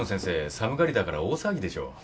寒がりだから大騒ぎでしょ？